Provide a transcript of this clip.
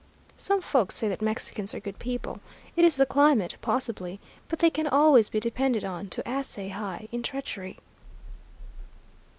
Some folks say that Mexicans are good people; it is the climate, possibly, but they can always be depended on to assay high in treachery."